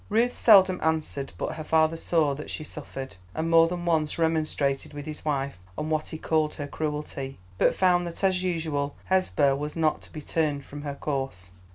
Ruth seldom answered, but her father saw that she suffered, and more than once remonstrated with his wife on what he called her cruelty, but found that as usual Hesba was not to be turned from her course.